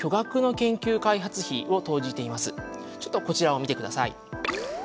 ちょっとこちらを見てください。